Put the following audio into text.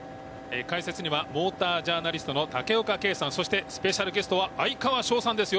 解説にはモータージャーナリストの竹岡圭さんそしてスペシャルゲストは哀川翔さんです。